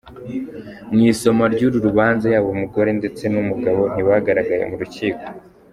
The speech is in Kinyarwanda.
Mu isomwa ry’uru rubanza yaba umugore ndetse n’umugabo ntibagaragaye mu rukiko.